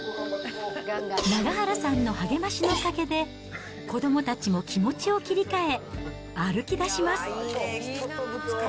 永原さんの励ましのおかげで、子どもたちも気持ちを切り替え、歩き出します。